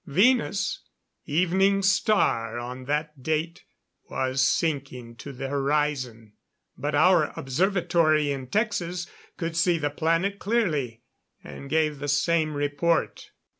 Venus evening star on that date was sinking to the horizon. But our Observatory in Texas could see the planet clearly; and gave the same report.